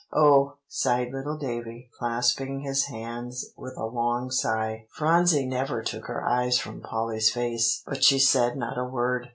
"Oh!" sighed little Davie, clasping his hands with a long sigh. Phronsie never took her eyes from Polly's face, but she said not a word.